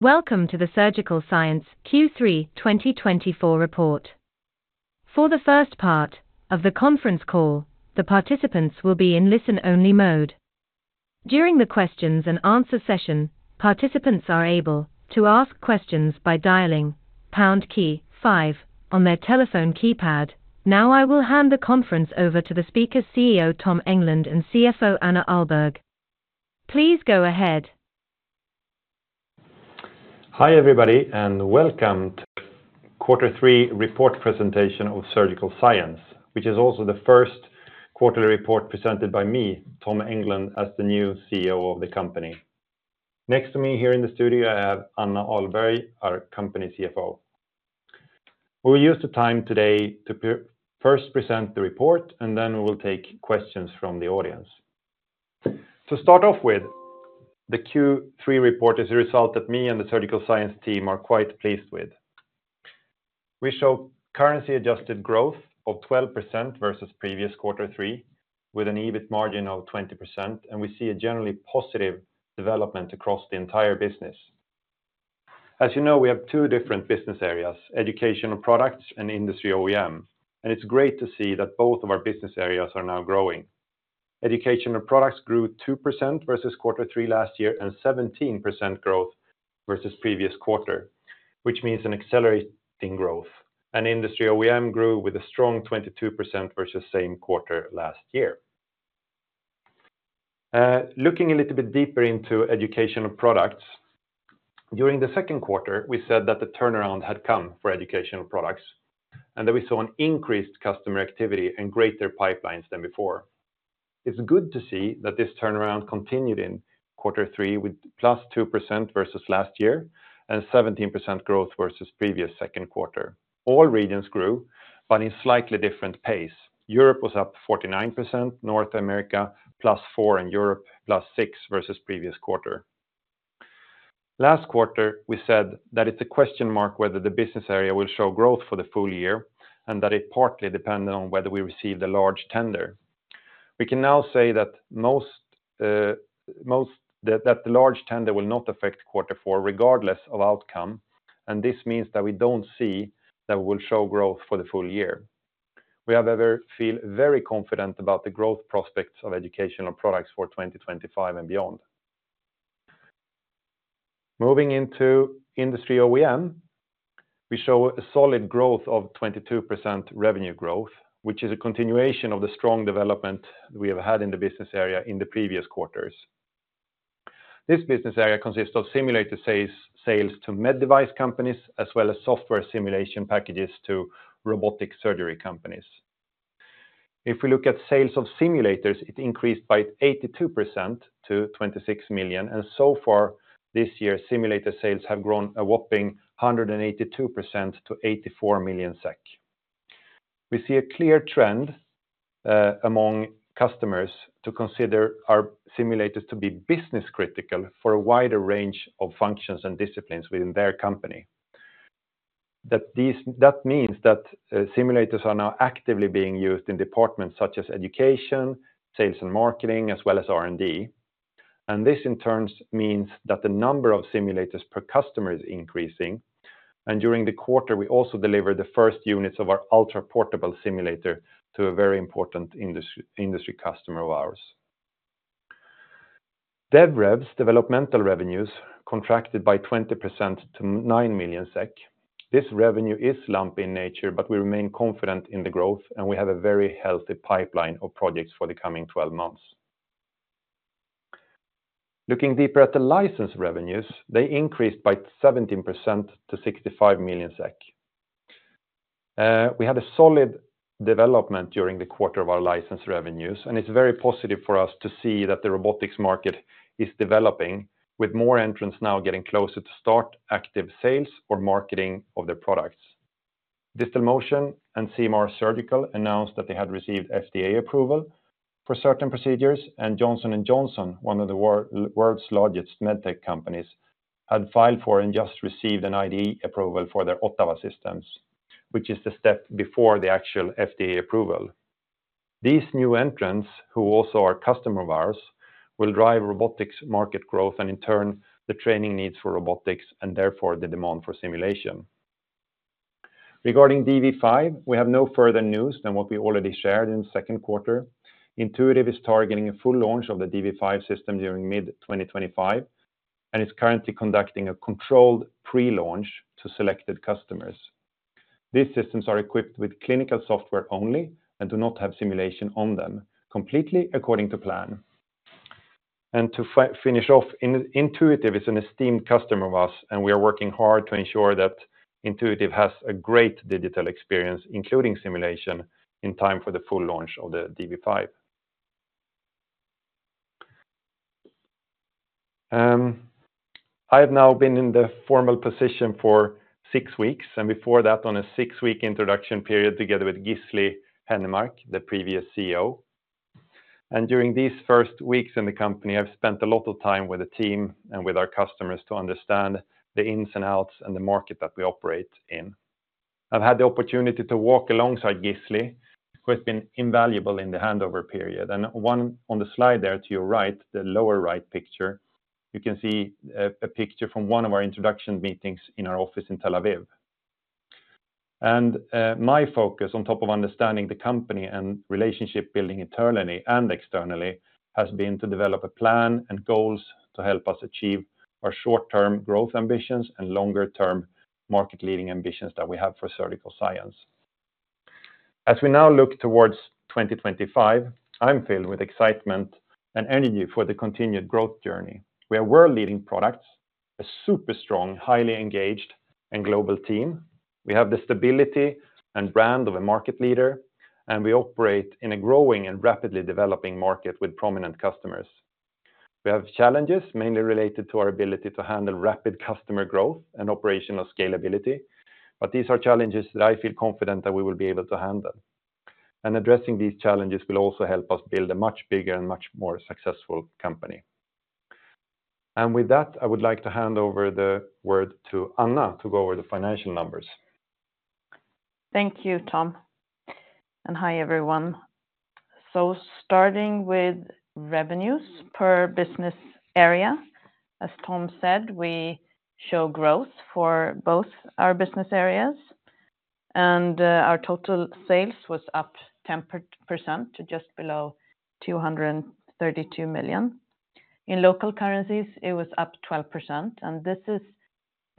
Welcome to the Surgical Science Q3 2024 report. For the first part of the conference call, the participants will be in listen-only mode. During the Q&A session, participants are able to ask questions by dialing pound key five on their telephone keypad. Now I will hand the conference over to the speakers, CEO Tom Englund and CFO Anna Ahlberg. Please go ahead. Hi everybody, and welcome to quarter three report presentation of Surgical Science, which is also the first quarterly report presented by me, Tom Englund, as the new CEO of the company. Next to me here in the studio, I have Anna Ahlberg, our company CFO. We will use the time today to first present the report, and then we will take questions from the audience. To start off with, the Q3 report is a result that me and the Surgical Science team are quite pleased with. We show currency-adjusted growth of 12% versus previous quarter three, with an EBIT margin of 20%, and we see a generally positive development across the entire business. As you know, we have two different business areas: educational products and Industry/OEM, and it's great to see that both of our business areas are now growing. Educational Products grew 2% versus quarter three last year and 17% growth versus previous quarter, which means an accelerating growth, and Industry/OEM grew with a strong 22% versus same quarter last year. Looking a little bit deeper into Educational Products, during the second quarter, we said that the turnaround had come for Educational Products and that we saw an increased customer activity and greater pipelines than before. It's good to see that this turnaround continued in quarter three with plus 2% versus last year and 17% growth versus previous second quarter. All regions grew, but in slightly different pace. Europe was up 49%, North America plus 4%, and Asia plus 6% versus previous quarter. Last quarter, we said that it's a question mark whether the business area will show growth for the full year and that it partly depended on whether we received a large tender. We can now say that the large tender will not affect quarter four regardless of outcome, and this means that we don't see that we will show growth for the full year. We however feel very confident about the growth prospects of Educational Products for 2025 and beyond. Moving into Industry/OEM, we show a solid growth of 22% revenue growth, which is a continuation of the strong development we have had in the business area in the previous quarters. This business area consists of simulator sales to med device companies as well as software simulation packages to robotic surgery companies. If we look at sales of simulators, it increased by 82% to 26 million, and so far this year, simulator sales have grown a whopping 182% to 84 million SEK. We see a clear trend among customers to consider our simulators to be business-critical for a wider range of functions and disciplines within their company. That means that simulators are now actively being used in departments such as education, sales and marketing, as well as R&D. And this in turn means that the number of simulators per customer is increasing, and during the quarter, we also delivered the first units of our ultra-portable simulator to a very important industry customer of ours. Development revenues contracted by 20% to 9 million SEK. This revenue is lumpy in nature, but we remain confident in the growth, and we have a very healthy pipeline of projects for the coming 12 months. Looking deeper at the license revenues, they increased by 17% to 65 million SEK. We had a solid development during the quarter of our license revenues, and it's very positive for us to see that the robotics market is developing, with more entrants now getting closer to start active sales or marketing of their products. Distalmotion and CMR Surgical announced that they had received FDA approval for certain procedures, and Johnson & Johnson, one of the world's largest med tech companies, had filed for and just received an IDE approval for their Ottava systems, which is the step before the actual FDA approval. These new entrants, who also are customers of ours, will drive robotics market growth and in turn the training needs for robotics and therefore the demand for simulation. Regarding dV5, we have no further news than what we already shared in the second quarter. Intuitive is targeting a full launch of the dV5 system during mid-2025, and is currently conducting a controlled pre-launch to selected customers. These systems are equipped with clinical software only and do not have simulation on them, completely according to plan. And to finish off, Intuitive is an esteemed customer of us, and we are working hard to ensure that Intuitive has a great digital experience, including simulation, in time for the full launch of the dV5. I have now been in the formal position for six weeks, and before that, on a six-week introduction period together with Gisli Hennermark, the previous CEO. And during these first weeks in the company, I've spent a lot of time with the team and with our customers to understand the ins and outs and the market that we operate in. I've had the opportunity to walk alongside Gisli, who has been invaluable in the handover period. And one on the slide there to your right, the lower right picture, you can see a picture from one of our introduction meetings in our office in Tel Aviv. And my focus, on top of understanding the company and relationship building internally and externally, has been to develop a plan and goals to help us achieve our short-term growth ambitions and longer-term market-leading ambitions that we have for Surgical Science. As we now look towards 2025, I'm filled with excitement and energy for the continued growth journey. We are world-leading products, a super strong, highly engaged, and global team. We have the stability and brand of a market leader, and we operate in a growing and rapidly developing market with prominent customers. We have challenges mainly related to our ability to handle rapid customer growth and operational scalability, but these are challenges that I feel confident that we will be able to handle. And addressing these challenges will also help us build a much bigger and much more successful company. And with that, I would like to hand over the word to Anna to go over the financial numbers. Thank you, Tom. And hi everyone. So starting with revenues per business area, as Tom said, we show growth for both our business areas, and our total sales was up 10% to just below 232 million. In local currencies, it was up 12%, and this is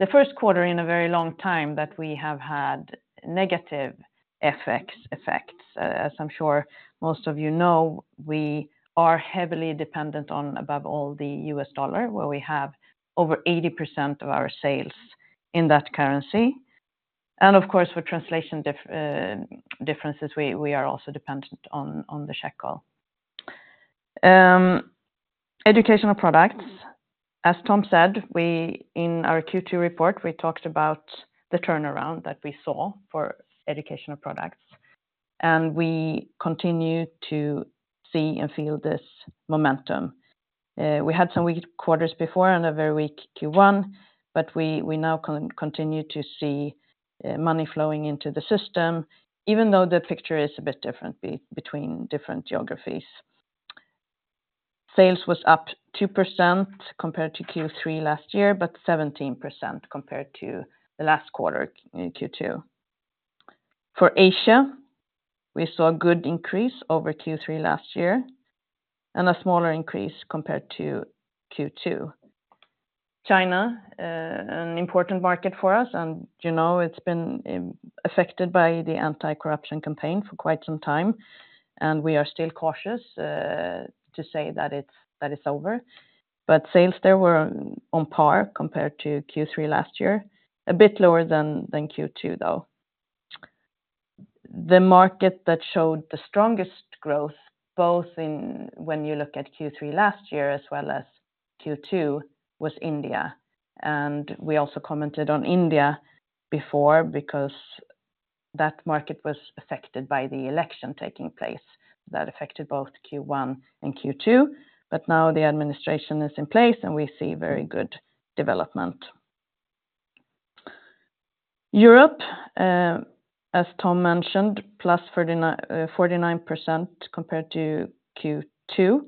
the first quarter in a very long time that we have had negative FX effects. As I'm sure most of you know, we are heavily dependent on, above all, the US dollar, where we have over 80% of our sales in that currency. And of course, for translation differences, we are also dependent on the shekel. Educational Products, as Tom said, in our Q2 report, we talked about the turnaround that we saw for educational products, and we continue to see and feel this momentum. We had some weak quarters before and a very weak Q1, but we now continue to see money flowing into the system, even though the picture is a bit different between different geographies. Sales was up 2% compared to Q3 last year, but 17% compared to the last quarter, Q2. For Asia, we saw a good increase over Q3 last year and a smaller increase compared to Q2. China, an important market for us, and you know it's been affected by the anti-corruption campaign for quite some time, and we are still cautious to say that it's over, but sales there were on par compared to Q3 last year, a bit lower than Q2 though. The market that showed the strongest growth, both when you look at Q3 last year as well as Q2, was India, and we also commented on India before because that market was affected by the election taking place. That affected both Q1 and Q2, but now the administration is in place and we see very good development. Europe, as Tom mentioned, plus 49% compared to Q2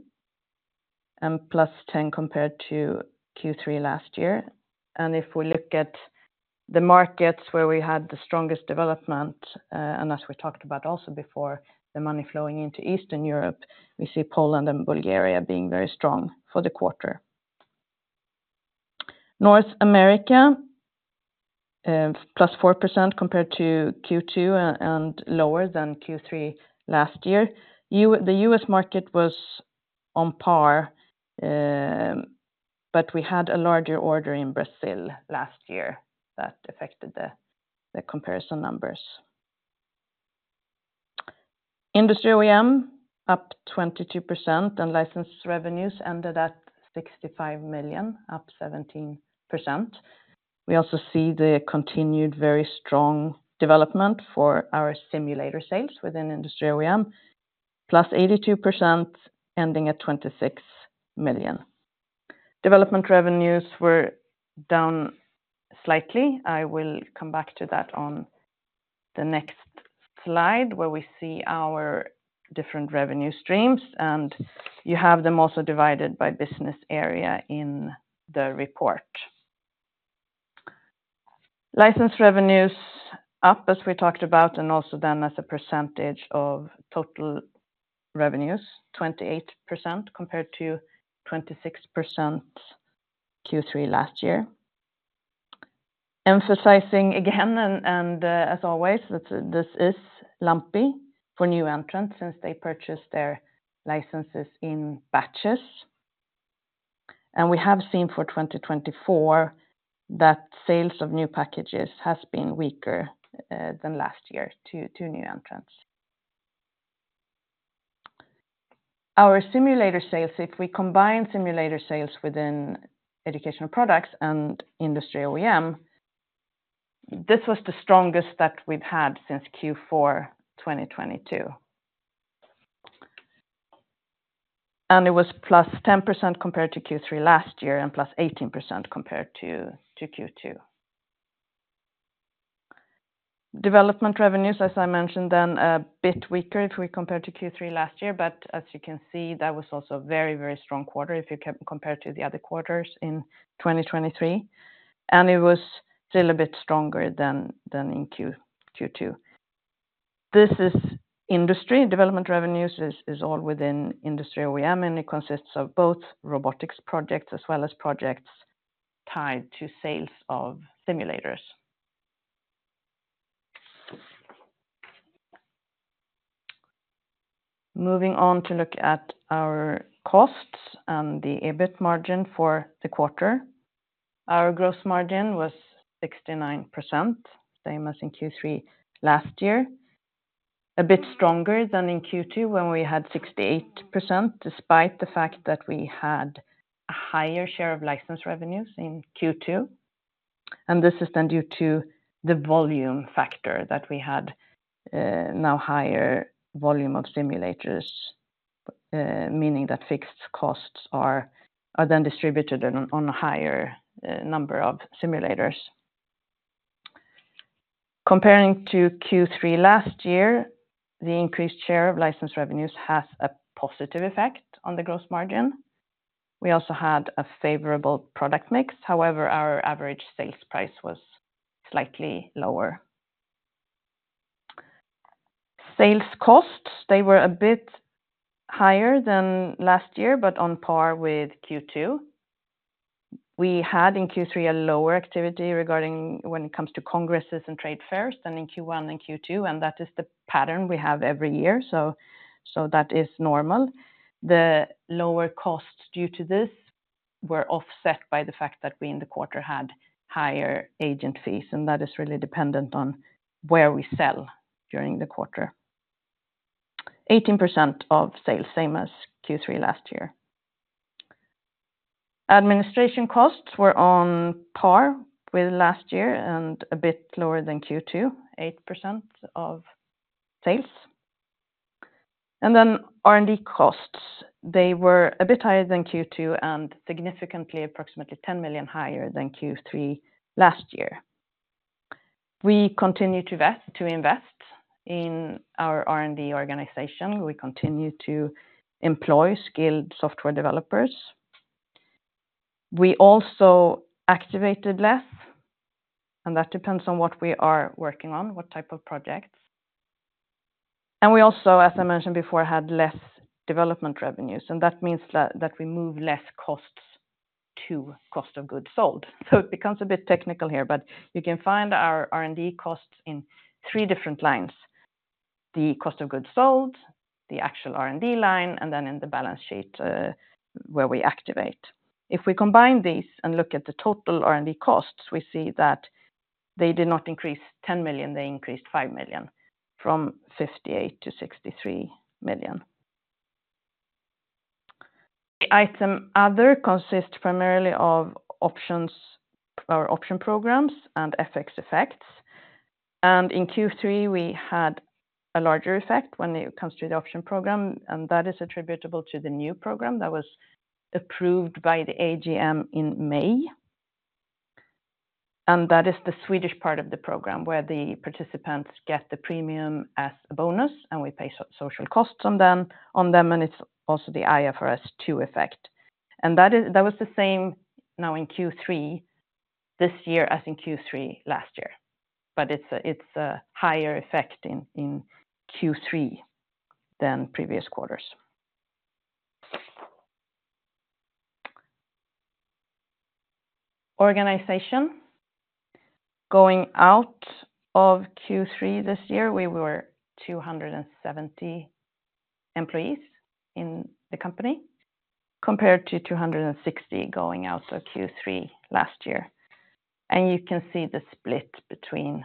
and plus 10% compared to Q3 last year, and if we look at the markets where we had the strongest development, and as we talked about also before, the money flowing into Eastern Europe, we see Poland and Bulgaria being very strong for the quarter. North America, plus 4% compared to Q2 and lower than Q3 last year. The US market was on par, but we had a larger order in Brazil last year that affected the comparison numbers. Industry/OEM, up 22%, and license revenues ended at 65 million, up 17%. We also see the continued very strong development for our simulator sales within Industry/OEM, plus 82%, ending at 26 million. Development revenues were down slightly. I will come back to that on the next slide where we see our different revenue streams, and you have them also divided by business area in the report. License revenues up, as we talked about, and also then as a percentage of total revenues, 28% compared to 26% Q3 last year. Emphasizing again, and as always, this is lumpy for new entrants since they purchase their licenses in batches, and we have seen for 2024 that sales of new packages has been weaker than last year to new entrants. Our simulator sales, if we combine simulator sales within educational products and Industry/OEM, this was the strongest that we've had since Q4 2022. It was plus 10% compared to Q3 last year and plus 18% compared to Q2. Development revenues, as I mentioned, then a bit weaker if we compare to Q3 last year, but as you can see, that was also a very, very strong quarter if you compare to the other quarters in 2023, and it was still a bit stronger than in Q2. This is industry. Development revenues is all within Industry/OEM, and it consists of both robotics projects as well as projects tied to sales of simulators. Moving on to look at our costs and the EBIT margin for the quarter. Our gross margin was 69%, same as in Q3 last year, a bit stronger than in Q2 when we had 68% despite the fact that we had a higher share of license revenues in Q2, and this is then due to the volume factor that we had, now higher volume of simulators, meaning that fixed costs are then distributed on a higher number of simulators. Comparing to Q3 last year, the increased share of license revenues has a positive effect on the gross margin. We also had a favorable product mix. However, our average sales price was slightly lower. Sales costs, they were a bit higher than last year, but on par with Q2. We had in Q3 a lower activity regarding when it comes to congresses and trade fairs than in Q1 and Q2, and that is the pattern we have every year, so that is normal. The lower costs due to this were offset by the fact that we in the quarter had higher agent fees, and that is really dependent on where we sell during the quarter. 18% of sales, same as Q3 last year. Administration costs were on par with last year and a bit lower than Q2, 8% of sales. And then R&D costs, they were a bit higher than Q2 and significantly, approximately 10 million higher than Q3 last year. We continue to invest in our R&D organization. We continue to employ skilled software developers. We also activated less, and that depends on what we are working on, what type of projects. And we also, as I mentioned before, had less development revenues, and that means that we move less costs to cost of goods sold. It becomes a bit technical here, but you can find our R&D costs in three different lines: the cost of goods sold, the actual R&D line, and then in the balance sheet where we activate. If we combine these and look at the total R&D costs, we see that they did not increase 10 million. They increased five million from 58 million to 63 million. The item other consists primarily of options, our option programs and FX effects. And in Q3, we had a larger effect when it comes to the option program, and that is attributable to the new program that was approved by the AGM in May. And that is the Swedish part of the program where the participants get the premium as a bonus, and we pay social costs on them, and it's also the IFRS 2 effect. That was the same now in Q3 this year as in Q3 last year, but it's a higher effect in Q3 than previous quarters. Organization, going out of Q3 this year, we were 270 employees in the company compared to 260 going out of Q3 last year. You can see the split between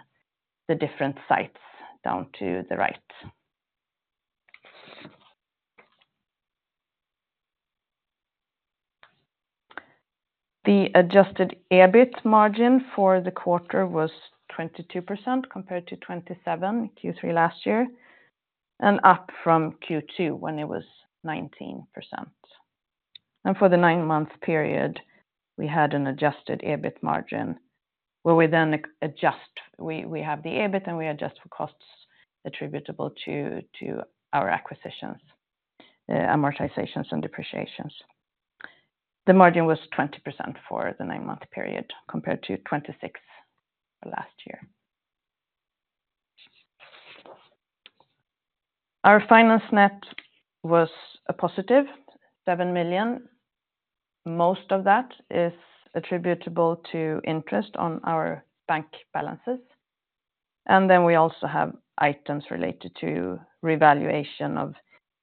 the different sites down to the right. The adjusted EBIT margin for the quarter was 22% compared to 27% Q3 last year, and up from Q2 when it was 19%. For the nine-month period, we had an adjusted EBIT margin where we then adjust. We have the EBIT, and we adjust for costs attributable to our acquisitions, amortizations, and depreciations. The margin was 20% for the nine-month period compared to 26% last year. Our finance net was a positive 7 million. Most of that is attributable to interest on our bank balances. And then we also have items related to revaluation of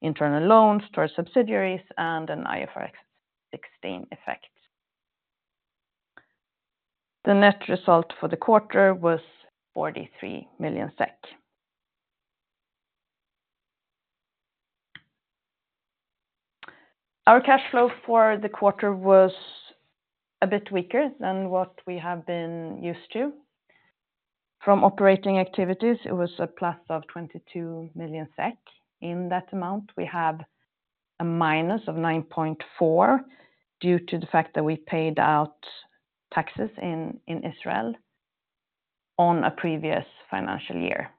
internal loans towards subsidiaries and an IFRS 16 effect. The net result for the quarter was 43 million SEK. Our cash flow for the quarter was a bit weaker than what we have been used to. From operating activities, it was a plus of 22 million SEK. In that amount, we have a -9.4 due to the fact that we paid out taxes in Israel on a previous financial year.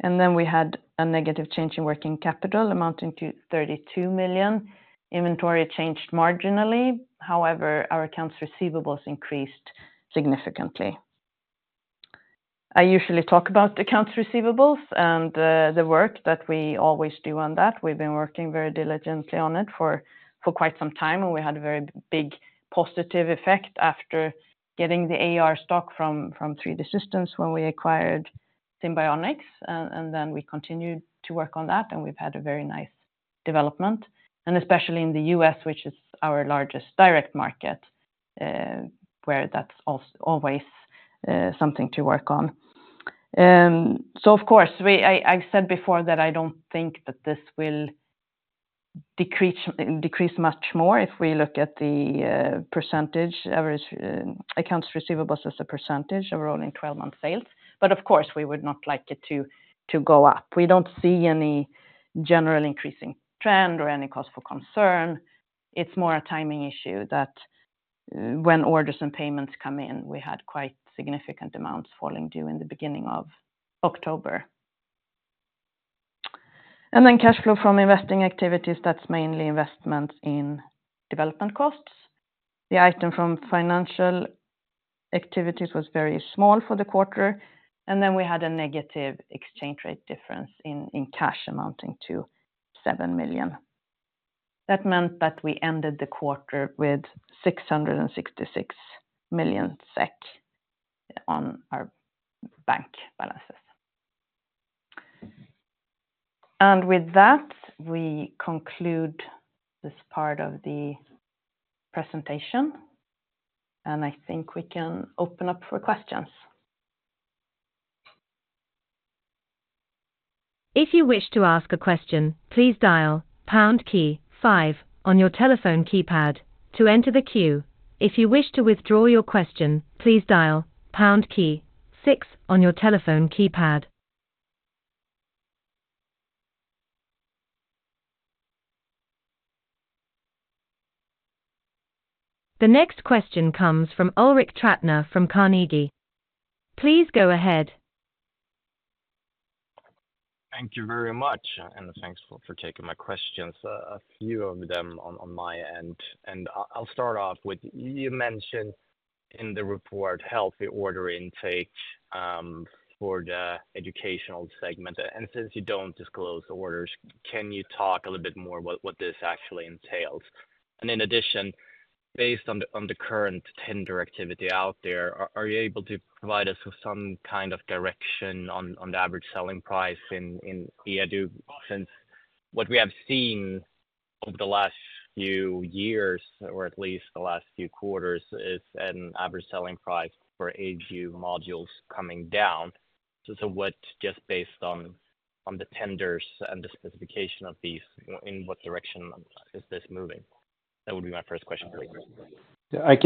And then we had a negative change in working capital amounting to 32 million. Inventory changed marginally. However, our accounts receivables increased significantly. I usually talk about accounts receivables and the work that we always do on that. We've been working very diligently on it for quite some time, and we had a very big positive effect after getting the AR stock from 3D Systems when we acquired Simbionix, and then we continued to work on that, and we've had a very nice development, and especially in the U.S., which is our largest direct market, where that's always something to work on. So of course, I said before that I don't think that this will decrease much more if we look at the percentage, average accounts receivables as a percentage overall in 12-month sales. But of course, we would not like it to go up. We don't see any general increasing trend or any cause for concern. It's more a timing issue that when orders and payments come in, we had quite significant amounts falling due in the beginning of October. And then cash flow from investing activities, that's mainly investments in development costs. The item from financial activities was very small for the quarter, and then we had a negative exchange rate difference in cash amounting to 7 million. That meant that we ended the quarter with 666 million SEK on our bank balances. And with that, we conclude this part of the presentation, and I think we can open up for questions. If you wish to ask a question, please dial pound key five on your telephone keypad to enter the queue. If you wish to withdraw your question, please dial pound key six on your telephone keypad. The next question comes from Ulrik Trattner from Carnegie. Please go ahead. Thank you very much, and thanks for taking my questions. A few of them on my end. I'll start off with you mentioned in the report healthy order intake for the educational segment. And since you don't disclose orders, can you talk a little bit more about what this actually entails? And in addition, based on the current tender activity out there, are you able to provide us with some kind of direction on the average selling price in EDU? Since what we have seen over the last few years, or at least the last few quarters, is an average selling price for EDU modules coming down. So what, just based on the tenders and the specification of these, in what direction is this moving? That would be my first question, please. Hi,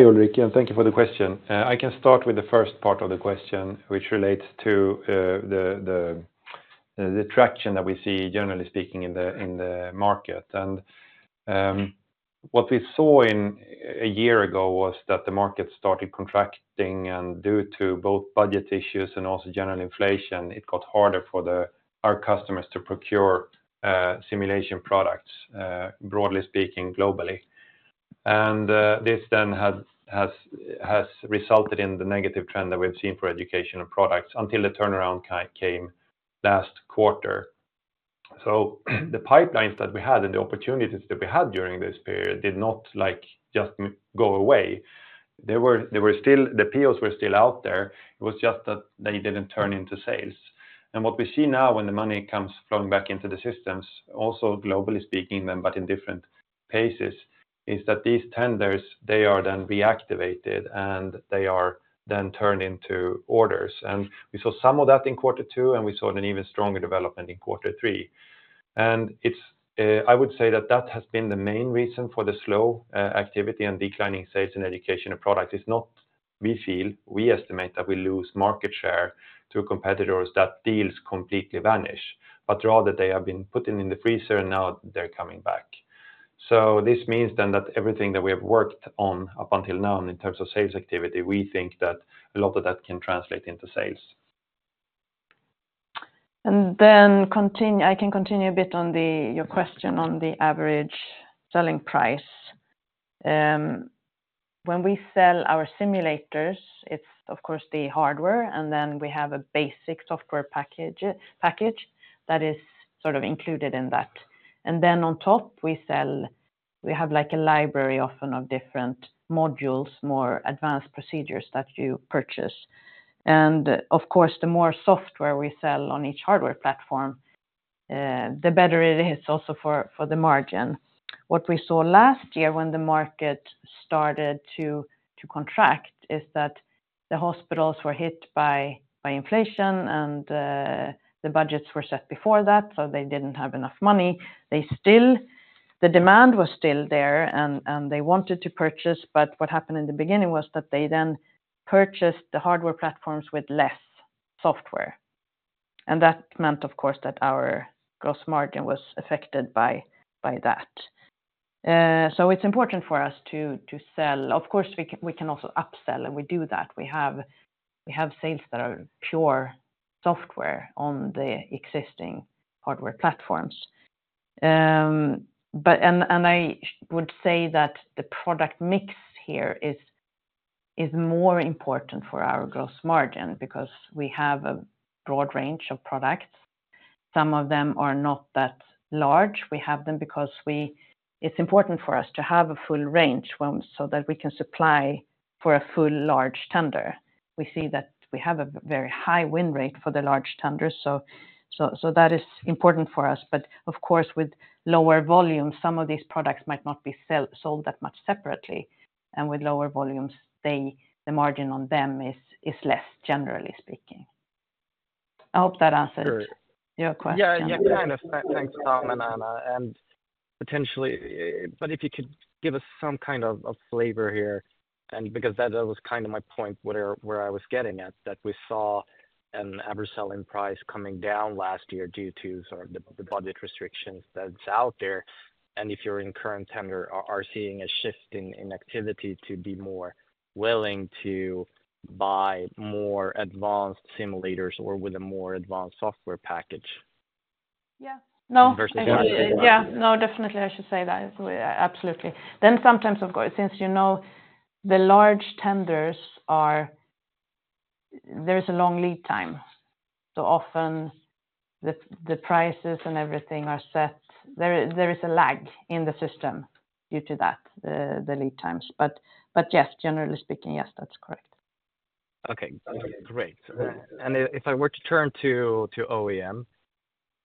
Ulrik, and thank you for the question. I can start with the first part of the question, which relates to the traction that we see, generally speaking, in the market. And what we saw a year ago was that the market started contracting, and due to both budget issues and also general inflation, it got harder for our customers to procure simulation products, broadly speaking, globally. And this then has resulted in the negative trend that we've seen for educational products until the turnaround came last quarter. So the pipelines that we had and the opportunities that we had during this period did not just go away. The POs were still out there. It was just that they didn't turn into sales. And what we see now when the money comes flowing back into the systems, also globally speaking, but in different paces, is that these tenders, they are then reactivated, and they are then turned into orders. And we saw some of that in quarter two, and we saw an even stronger development in quarter three. I would say that that has been the main reason for the slow activity and declining sales in educational products. It is not, we feel, we estimate that we lose market share to competitors. The deals completely vanish, but rather they have been put in the freezer, and now they're coming back. This means then that everything that we have worked on up until now in terms of sales activity, we think that a lot of that can translate into sales. I can continue a bit on your question on the average selling price. When we sell our simulators, it's of course the hardware, and then we have a basic software package that is sort of included in that. On top, we have like a library often of different modules, more advanced procedures that you purchase. And of course, the more software we sell on each hardware platform, the better it is also for the margin. What we saw last year when the market started to contract is that the hospitals were hit by inflation, and the budgets were set before that, so they didn't have enough money. The demand was still there, and they wanted to purchase, but what happened in the beginning was that they then purchased the hardware platforms with less software. And that meant, of course, that our gross margin was affected by that. So it's important for us to sell. Of course, we can also upsell, and we do that. We have sales that are pure software on the existing hardware platforms. And I would say that the product mix here is more important for our gross margin because we have a broad range of products. Some of them are not that large. We have them because it's important for us to have a full range so that we can supply for a full large tender. We see that we have a very high win rate for the large tenders, so that is important for us. But of course, with lower volumes, some of these products might not be sold that much separately, and with lower volumes, the margin on them is less, generally speaking. I hope that answers your question. Yeah, yeah, kind of. Thanks, Tom and Anna. And potentially, but if you could give us some kind of flavor here, and because that was kind of my point where I was getting at, that we saw an average selling price coming down last year due to sort of the budget restrictions that's out there. If you're in current tender, are seeing a shift in activity to be more willing to buy more advanced simulators or with a more advanced software package? Yeah. No. Yeah, no, definitely. I should say that. Absolutely. Then sometimes, of course, since you know the large tenders, there is a long lead time. So often the prices and everything are set. There is a lag in the system due to that, the lead times. But yes, generally speaking, yes, that's correct. Okay, great. And if I were to turn to OEM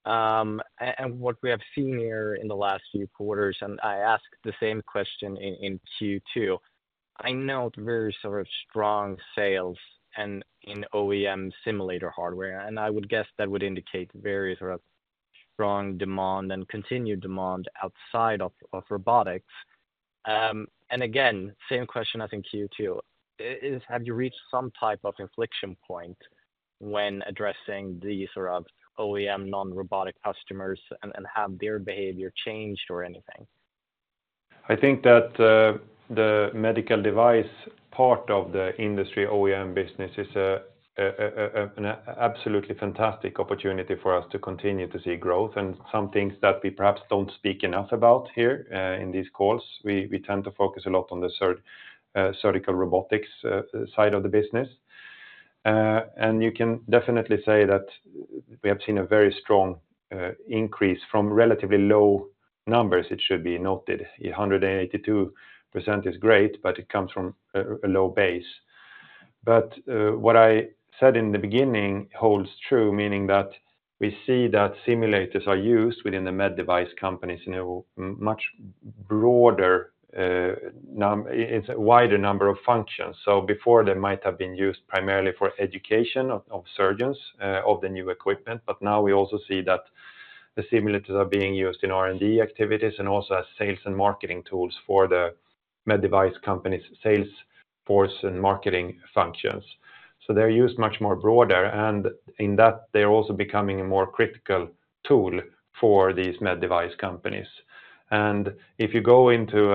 and what we have seen here in the last few quarters, and I ask the same question in Q2, I note very sort of strong sales in OEM simulator hardware, and I would guess that would indicate very sort of strong demand and continued demand outside of robotics. And again, same question as in Q2 is, have you reached some type of inflection point when addressing these sort of OEM non-robotic customers and have their behavior changed or anything? I think that the medical device part of the Industry/OEM business is an absolutely fantastic opportunity for us to continue to see growth and some things that we perhaps don't speak enough about here in these calls. We tend to focus a lot on the surgical robotics side of the business. And you can definitely say that we have seen a very strong increase from relatively low numbers. It should be noted 182% is great, but it comes from a low base. But what I said in the beginning holds true, meaning that we see that simulators are used within the med device companies in a much broader, wider number of functions. So before, they might have been used primarily for education of surgeons of the new equipment, but now we also see that the simulators are being used in R&D activities and also as sales and marketing tools for the med device company's sales force and marketing functions. So they're used much more broader, and in that, they're also becoming a more critical tool for these med device companies. And if you go into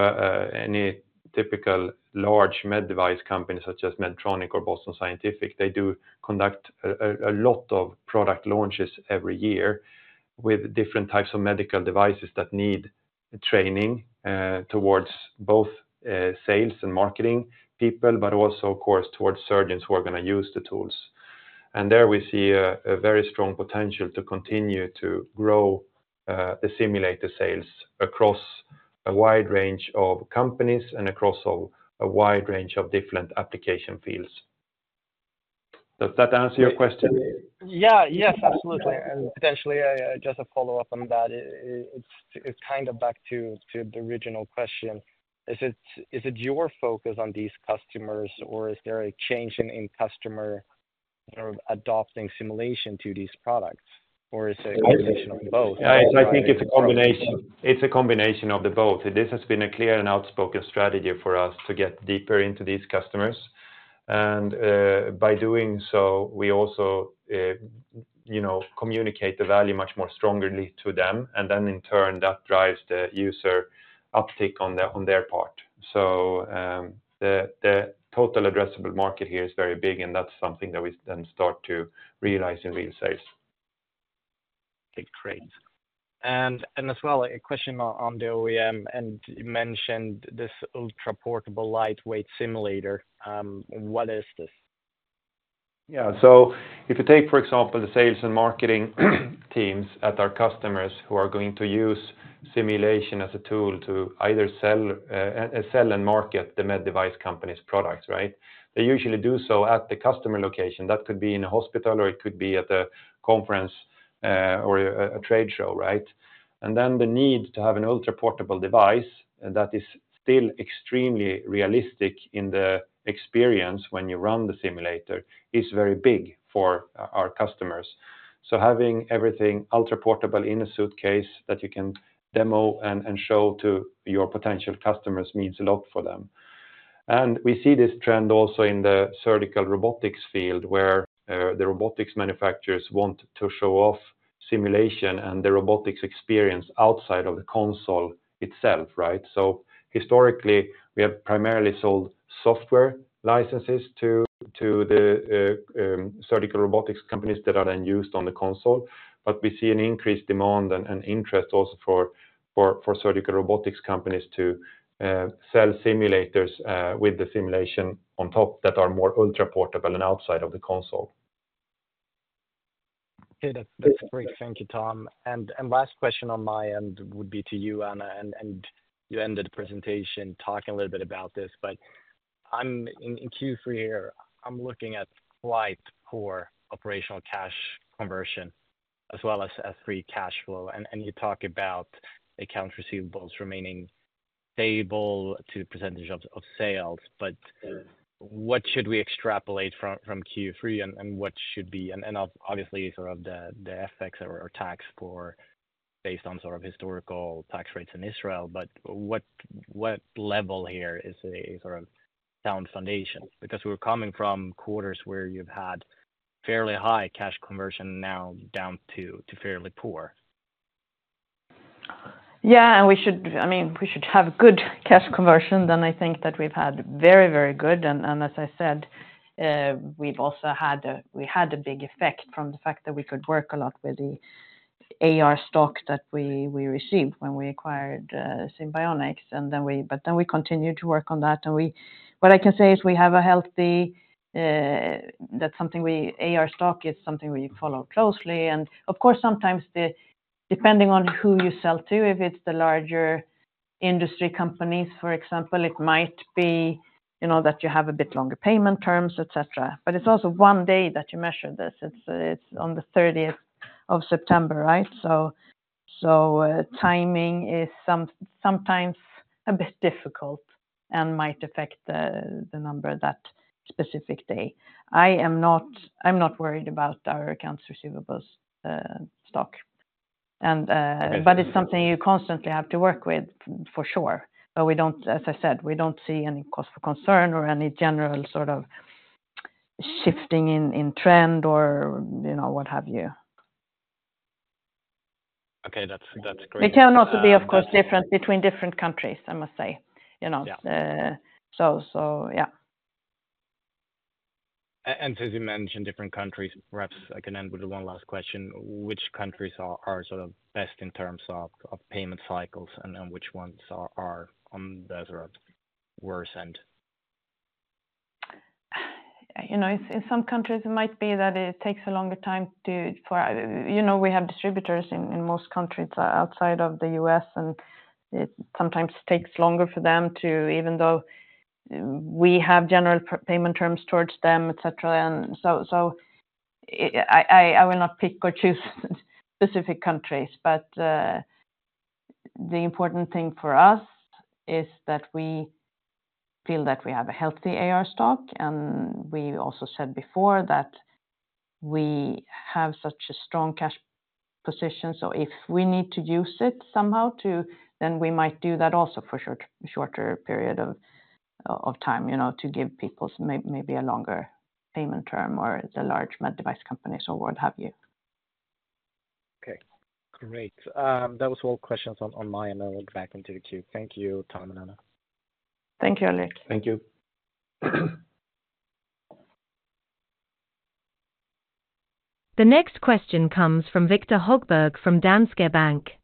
any typical large med device company such as Medtronic or Boston Scientific, they do conduct a lot of product launches every year with different types of medical devices that need training towards both sales and marketing people, but also, of course, towards surgeons who are going to use the tools. There we see a very strong potential to continue to grow the simulator sales across a wide range of companies and across a wide range of different application fields. Does that answer your question? Yeah, yes, absolutely. Potentially, just a follow-up on that, it's kind of back to the original question. Is it your focus on these customers, or is it a change in customer adopting simulation to these products, or is it a combination of both? Yeah, I think it's a combination. It's a combination of the both. This has been a clear and outspoken strategy for us to get deeper into these customers. By doing so, we also communicate the value much more strongly to them, and then in turn, that drives the user uptick on their part. So the total addressable market here is very big, and that's something that we then start to realize in real sales. Okay, great. And as well, a question on the OEM, and you mentioned this ultra-portable, lightweight simulator. What is this? Yeah, so if you take, for example, the sales and marketing teams at our customers who are going to use simulation as a tool to either sell and market the med device company's products, right? They usually do so at the customer location. That could be in a hospital, or it could be at a conference or a trade show, right? And then the need to have an ultra-portable device that is still extremely realistic in the experience when you run the simulator is very big for our customers. So having everything ultra-portable in a suitcase that you can demo and show to your potential customers means a lot for them. And we see this trend also in the surgical robotics field, where the robotics manufacturers want to show off simulation and the robotics experience outside of the console itself, right? So historically, we have primarily sold software licenses to the surgical robotics companies that are then used on the console, but we see an increased demand and interest also for surgical robotics companies to sell simulators with the simulation on top that are more ultra-portable and outside of the console. Okay, that's great. Thank you, Tom. And last question on my end would be to you, Anna, and you ended the presentation talking a little bit about this, but in Q3 here, I'm looking at quite poor operational cash conversion as well as free cash flow, and you talk about accounts receivables remaining stable to the percentage of sales, but what should we extrapolate from Q3, and what should be? And obviously, sort of the effects of tax based on sort of historical tax rates in Israel, but what level here is a sort of sound foundation? Because we're coming from quarters where you've had fairly high cash conversion now down to fairly poor. Yeah, and we should, I mean, we should have good cash conversion. Then I think that we've had very, very good, and as I said, we've also had a big effect from the fact that we could work a lot with the AR stock that we received when we acquired Simbionix, and then we continued to work on that. And what I can say is we have a healthy—that's something we—AR stock is something we follow closely. And of course, sometimes depending on who you sell to, if it's the larger industry companies, for example, it might be that you have a bit longer payment terms, etc. But it's also one day that you measure this. It's on the 30th of September, right? So timing is sometimes a bit difficult and might affect the number that specific day. I'm not worried about our accounts receivables stock, but it's something you constantly have to work with for sure. But as I said, we don't see any cause for concern or any general sort of shifting in trend or what have you. Okay, that's great. It cannot be, of course, different between different countries, I must say. So yeah. And since you mentioned different countries, perhaps I can end with one last question. Which countries are sort of best in terms of payment cycles, and which ones are on the sort of worse end? In some countries, it might be that it takes a longer time to, we have distributors in most countries outside of the U.S., and it sometimes takes longer for them to, even though we have general payment terms towards them, etc. And so I will not pick or choose specific countries, but the important thing for us is that we feel that we have a healthy AR stock, and we also said before that we have such a strong cash position. So if we need to use it somehow, then we might do that also for a shorter period of time to give people maybe a longer payment term or the large med device companies or what have you. Okay, great. That was all questions on mine, and I'll look back into Q2. Thank you, Tom and Anna. Thank you, Ulrik. Thank you. The next question comes from Viktor Högberg from Danske Bank.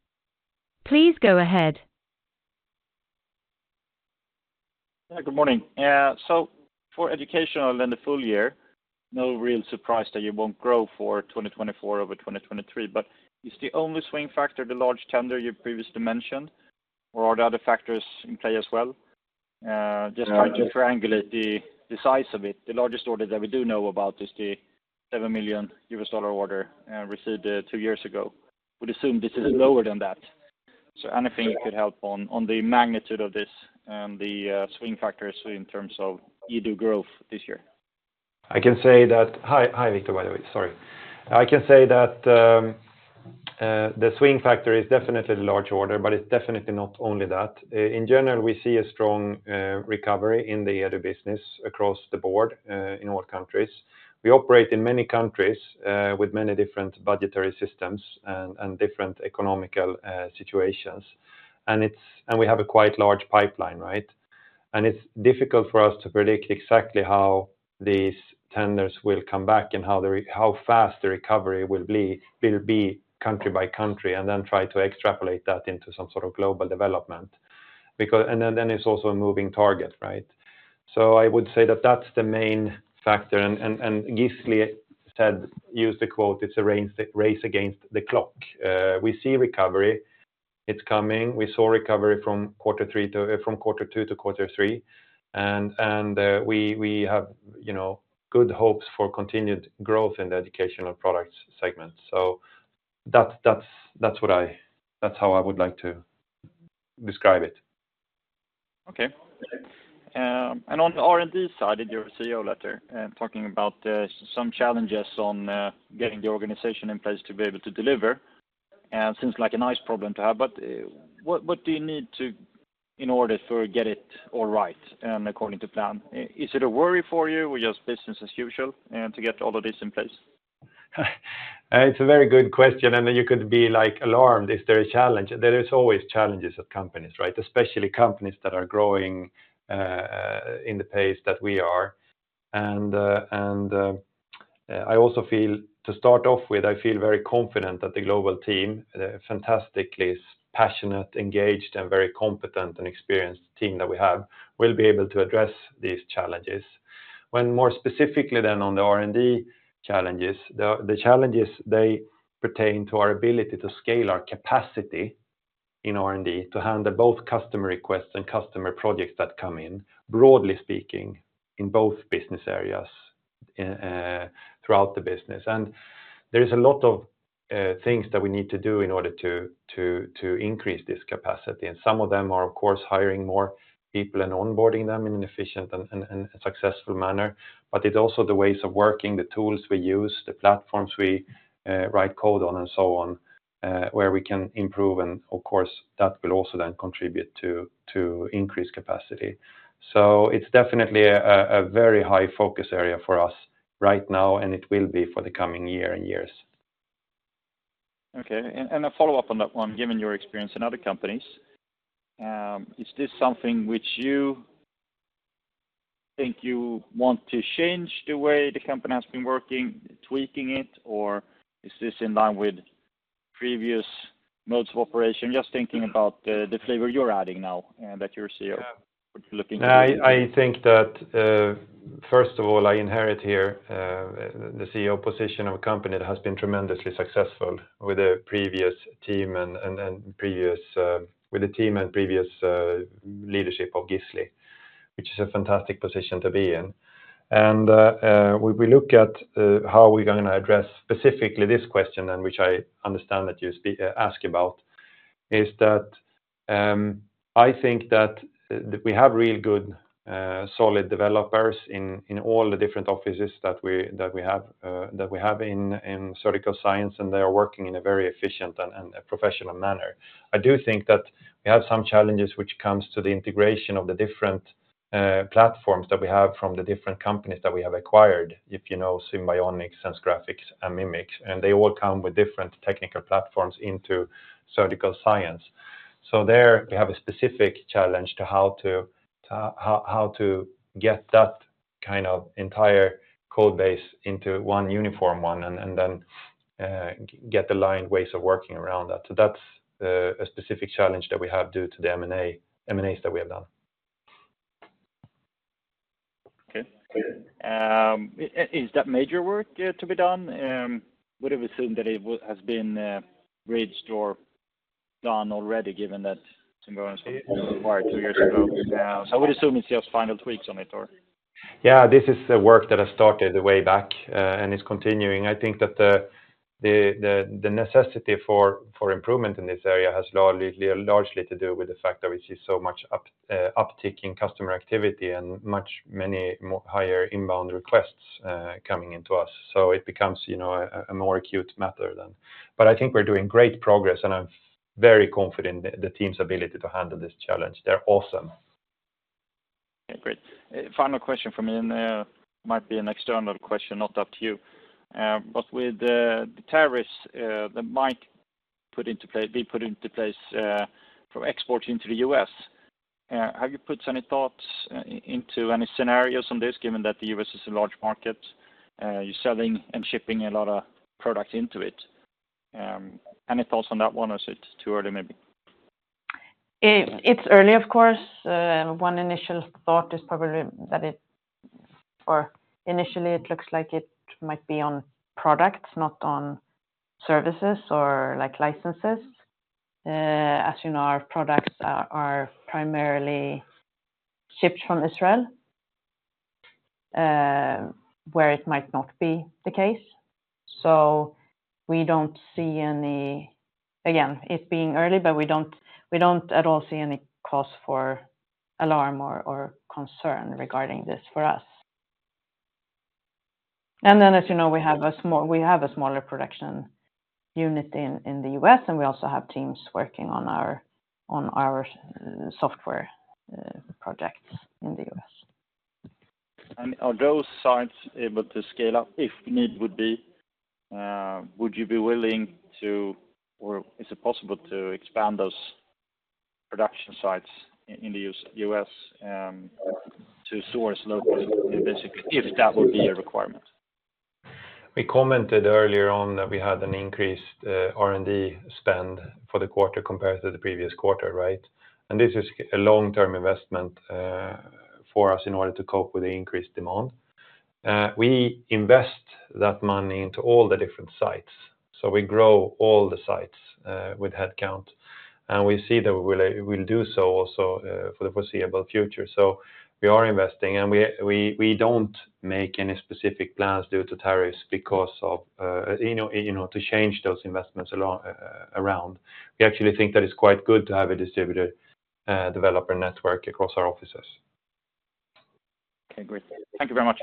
Please go ahead. Good morning. So for educational and the full year, no real surprise that you won't grow for 2024 over 2023, but is the only swing factor the large tender you previously mentioned, or are there other factors in play as well? Just trying to triangulate the size of it. The largest order that we do know about is the $7 million order received two years ago. We'd assume this is lower than that. So anything you could help on the magnitude of this and the swing factors in terms of EDU growth this year? I can say that, hi, Viktor, by the way. Sorry. I can say that the swing factor is definitely the large order, but it's definitely not only that. In general, we see a strong recovery in the EDU business across the board in all countries. We operate in many countries with many different budgetary systems and different economic situations, and we have a quite large pipeline, right? And it's difficult for us to predict exactly how these tenders will come back and how fast the recovery will be country by country and then try to extrapolate that into some sort of global development. And then it's also a moving target, right? So I would say that that's the main factor. And Gisli said, used the quote, "It's a race against the clock." We see recovery. It's coming. We saw recovery from quarter two to quarter three, and we have good hopes for continued growth in the educational products segment. So that's how I would like to describe it. Okay. And on the R&D side, did you see your letter talking about some challenges on getting the organization in place to be able to deliver? And seems like a nice problem to have, but what do you need in order to get it all right and according to plan? Is it a worry for you or just business as usual to get all of this in place? It's a very good question, and you could be alarmed. Is there a challenge? There are always challenges at companies, right? Especially companies that are growing in the pace that we are. And I also feel, to start off with, I feel very confident that the global team, fantastically passionate, engaged, and very competent and experienced team that we have, will be able to address these challenges. When more specifically then on the R&D challenges, the challenges, they pertain to our ability to scale our capacity in R&D to handle both customer requests and customer projects that come in, broadly speaking, in both business areas throughout the business. There is a lot of things that we need to do in order to increase this capacity. Some of them are, of course, hiring more people and onboarding them in an efficient and successful manner, but it's also the ways of working, the tools we use, the platforms we write code on, and so on, where we can improve. Of course, that will also then contribute to increased capacity. It's definitely a very high focus area for us right now, and it will be for the coming year and years. Okay. A follow-up on that one, given your experience in other companies, is this something which you think you want to change the way the company has been working, tweaking it, or is this in line with previous modes of operation? Just thinking about the flavor you're adding now that you're looking to. I think that, first of all, I inherit here the CEO position of a company that has been tremendously successful with the previous team and leadership of Gisli, which is a fantastic position to be in. We look at how we're going to address specifically this question, which I understand that you asked about, is that I think that we have real good, solid developers in all the different offices that we have in Surgical Science, and they are working in a very efficient and professional manner. I do think that we have some challenges which come to the integration of the different platforms that we have from the different companies that we have acquired, if you know Simbionix, SenseGraphics, and Mimic, and they all come with different technical platforms into Surgical Science. So there we have a specific challenge to how to get that kind of entire code base into one uniform one and then get aligned ways of working around that. So that's a specific challenge that we have due to the M&As that we have done. Okay. Is that major work to be done? Would have assumed that it has been reached or done already, given that Simbionix was acquired two years ago. So I would assume it's just final tweaks on it, or? Yeah, this is work that has started way back and is continuing. I think that the necessity for improvement in this area has largely to do with the fact that we see so much uptick in customer activity and many higher inbound requests coming into us. So it becomes a more acute matter then. But I think we're doing great progress, and I'm very confident in the team's ability to handle this challenge. They're awesome. Okay, great. Final question for me, and it might be an external question, not up to you. But with the tariffs that might be put into place for exports into the U.S., have you put any thoughts into any scenarios on this, given that the U.S. is a large market? You're selling and shipping a lot of products into it. Any thoughts on that one, or is it too early maybe? It's early, of course. One initial thought is probably that it, or initially, it looks like it might be on products, not on services or licenses. As you know, our products are primarily shipped from Israel, where it might not be the case. So we don't see any, again, it being early, but we don't at all see any cause for alarm or concern regarding this for us. And then, as you know, we have a smaller production unit in the U.S., and we also have teams working on our software projects in the U.S. And are those sites able to scale up if need would be? Would you be willing to, or is it possible to expand those production sites in the U.S. to source locally, basically, if that would be a requirement? We commented earlier on that we had an increased R&D spend for the quarter compared to the previous quarter, right? And this is a long-term investment for us in order to cope with the increased demand. We invest that money into all the different sites. So we grow all the sites with headcount, and we see that we will do so also for the foreseeable future. So we are investing, and we don't make any specific plans due to tariffs to change those investments around. We actually think that it's quite good to have a distributed developer network across our offices. Okay, great. Thank you very much.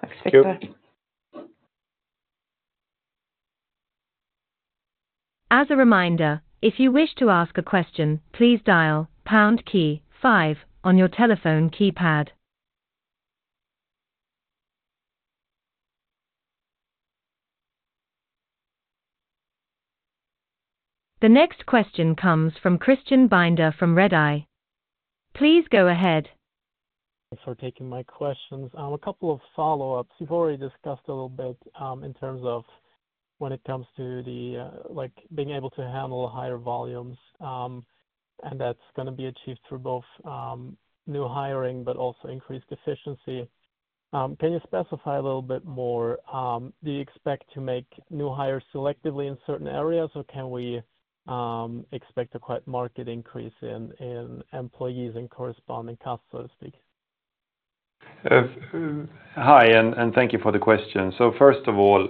Thanks, Viktor. As a reminder, if you wish to ask a question, please dial pound key five on your telephone keypad. The next question comes from Christian Binder from Redeye. Please go ahead. Thanks for taking my questions. A couple of follow-ups. You've already discussed a little bit in terms of when it comes to being able to handle higher volumes, and that's going to be achieved through both new hiring but also increased efficiency. Can you specify a little bit more? Do you expect to make new hires selectively in certain areas, or can we expect a quite marked increase in employees and corresponding costs, so to speak? Hi, and thank you for the question, so first of all,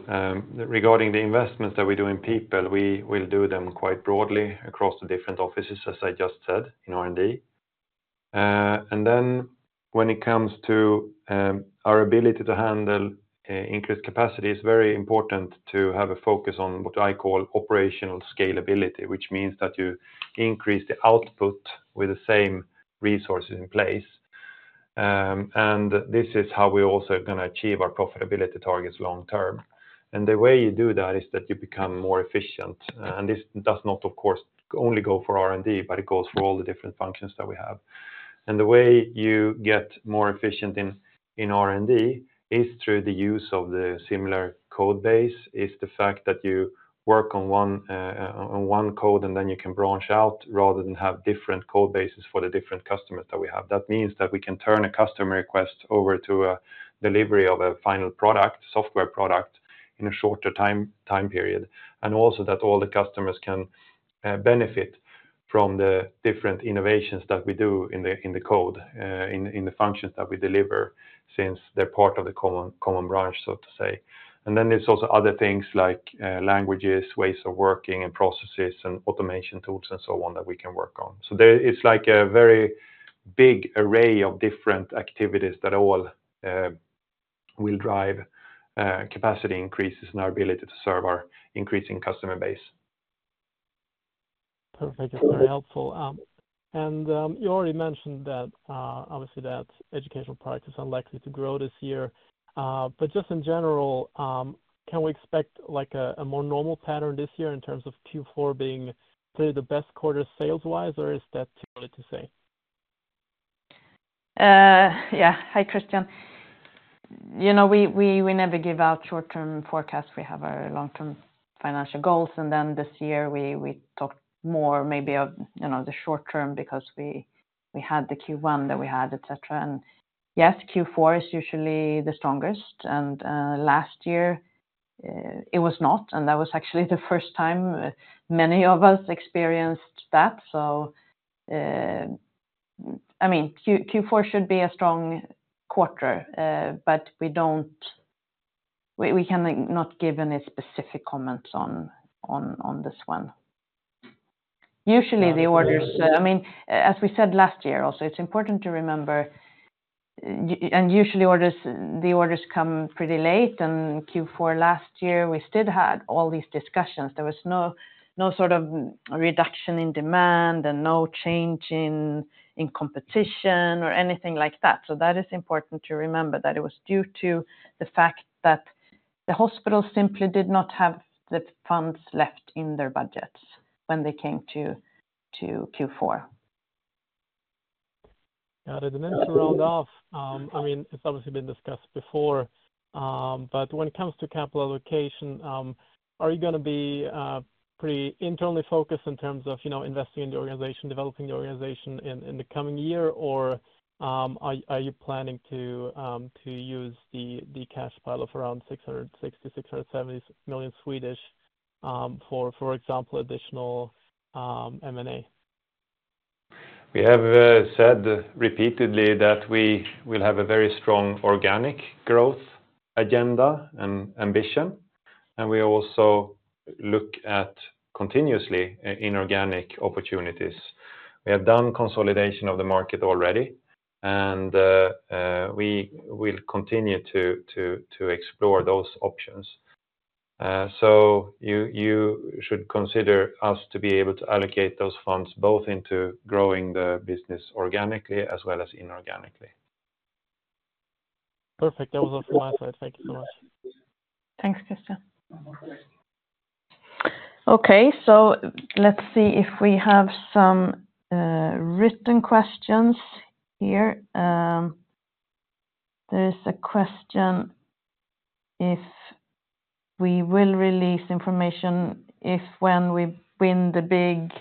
regarding the investments that we do in people, we will do them quite broadly across the different offices, as I just said, in R&D, and then when it comes to our ability to handle increased capacity, it's very important to have a focus on what I call operational scalability, which means that you increase the output with the same resources in place, and this is how we're also going to achieve our profitability targets long term, and the way you do that is that you become more efficient, and this does not, of course, only go for R&D, but it goes for all the different functions that we have. And the way you get more efficient in R&D is through the use of the similar code base, is the fact that you work on one code, and then you can branch out rather than have different code bases for the different customers that we have. That means that we can turn a customer request over to a delivery of a final product, software product, in a shorter time period, and also that all the customers can benefit from the different innovations that we do in the code, in the functions that we deliver, since they're part of the common branch, so to say. And then there's also other things like languages, ways of working and processes and automation tools and so on that we can work on. So it's like a very big array of different activities that all will drive capacity increases and our ability to serve our increasing customer base. Perfect. That's very helpful. And you already mentioned that, obviously, that educational product is unlikely to grow this year. But just in general, can we expect a more normal pattern this year in terms of Q4 being the best quarter sales-wise, or is that too early to say? Yeah. Hi, Christian. We never give out short-term forecasts. We have our long-term financial goals. And then this year, we talked more maybe of the short-term because we had the Q1 that we had, etc. And yes, Q4 is usually the strongest. And last year, it was not. And that was actually the first time many of us experienced that. So, I mean, Q4 should be a strong quarter, but we cannot give any specific comments on this one. Usually, the orders, I mean, as we said last year also, it's important to remember, and usually, the orders come pretty late. And Q4 last year, we still had all these discussions. There was no sort of reduction in demand and no change in competition or anything like that. So that is important to remember that it was due to the fact that the hospitals simply did not have the funds left in their budgets when they came to Q4. Got it. And then to round off, I mean, it's obviously been discussed before, but when it comes to capital allocation, are you going to be pretty internally focused in terms of investing in the organization, developing the organization in the coming year, or are you planning to use the cash pile of around 660 million-670 million for, for example, additional M&A? We have said repeatedly that we will have a very strong organic growth agenda and ambition, and we also look continuously at inorganic opportunities. We have done consolidation of the market already, and we will continue to explore those options. So you should consider us to be able to allocate those funds both into growing the business organically as well as inorganically. Perfect. That was all from my side. Thank you so much. Thanks, Christian. Okay. So let's see if we have some written questions here. There is a question if we will release information if when we win the big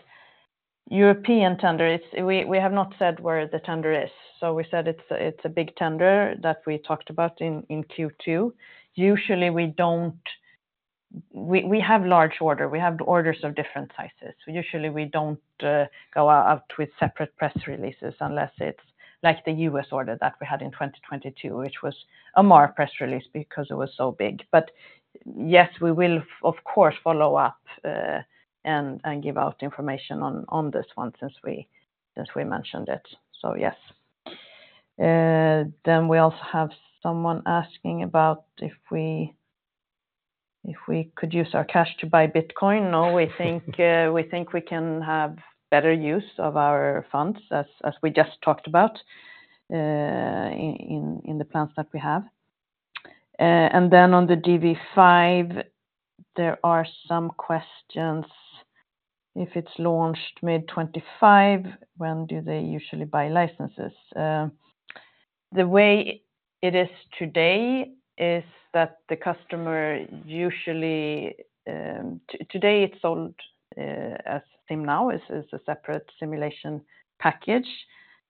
European tender. We have not said where the tender is. So we said it's a big tender that we talked about in Q2. Usually, we have large orders. We have orders of different sizes. Usually, we don't go out with separate press releases unless it's like the U.S. order that we had in 2022, which was a more press release because it was so big. But yes, we will, of course, follow up and give out information on this one since we mentioned it. So yes. Then we also have someone asking about if we could use our cash to buy Bitcoin. No, we think we can have better use of our funds, as we just talked about in the plans that we have. And then on the dV5, there are some questions. If it's launched mid-2025, when do they usually buy licenses? The way it is today is that the customer usually, it's sold as SimNow, which is a separate simulation package,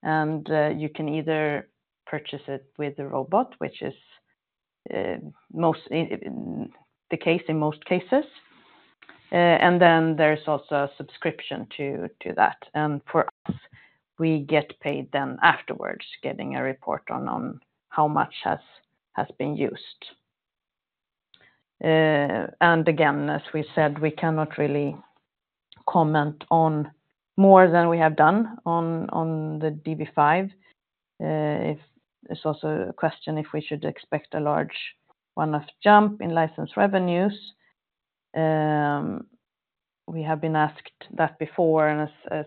and you can either purchase it with a robot, which is the case in most cases, and then there's also a subscription to that. And for us, we get paid then afterwards, getting a report on how much has been used, and again, as we said, we cannot really comment on more than we have done on the dV5. It's also a question if we should expect a large one-off jump in license revenues. We have been asked that before, and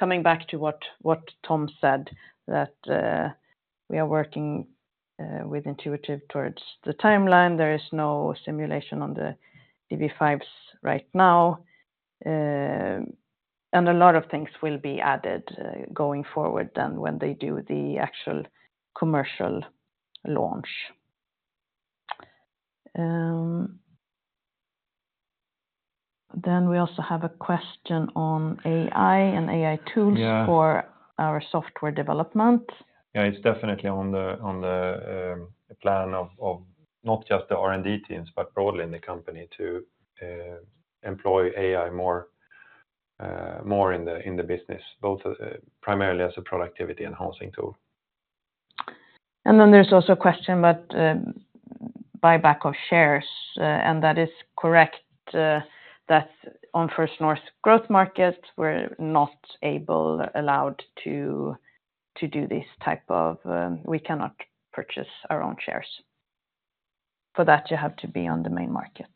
coming back to what Tom said, that we are working with Intuitive towards the timeline. There is no simulation on the dV5s right now. A lot of things will be added going forward, then when they do the actual commercial launch. Then we also have a question on AI and AI tools for our software development. Yeah, it's definitely on the plan of not just the R&D teams, but broadly in the company to employ AI more in the business, primarily as a productivity enhancing tool. And then there's also a question about buyback of shares. And that is correct. That's on First North Growth Market. We're not allowed to do this type of. We cannot purchase our own shares. For that, you have to be on the main market.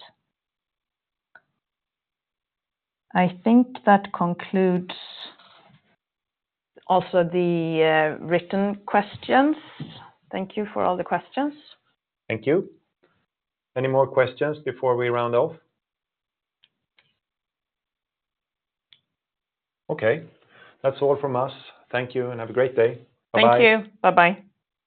I think that concludes also the written questions. Thank you for all the questions. Thank you. Any more questions before we round off? Okay. That's all from us. Thank you and have a great day. Bye-bye. Thank you. Bye-bye.